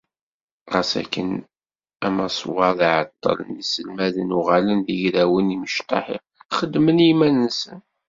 Ɣas akken amaswaḍ iɛeṭṭel-n iselmaden uɣalen d igrawen imecṭaḥ xeddmen i yiman-nsen.